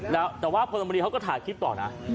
แล้วแต่ว่าพลเมืองดีเขาก็ถ่ายคลิปต่อนะ